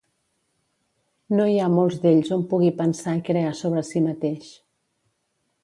No hi ha molts d'ells on pugui pensar i crear sobre si mateix.